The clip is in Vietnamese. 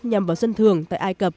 nhằm vào dân thường tại ai cập